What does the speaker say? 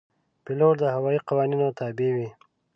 پیلوټ د هوايي قوانینو تابع وي.